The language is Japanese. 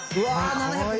７２０円。